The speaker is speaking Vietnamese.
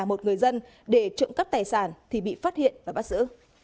một người dân để trộm cắp tài sản thì bị phát hiện và bắt giữ